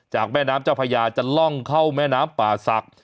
แม่น้ำเจ้าพญาจะล่องเข้าแม่น้ำป่าศักดิ์